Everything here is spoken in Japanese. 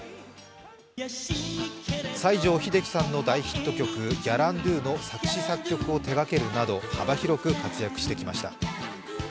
西城秀樹さんの大ヒット曲「ギャランドゥ」の作詞・作曲を手がけるなど幅広く活躍してきました。